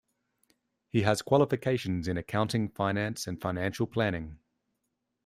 He has qualifications in accounting, finance and financial planning.